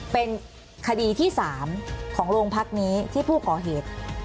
เป็นคดีที่๓ของโรงพักนี้ที่ผู้ก่อเหตุ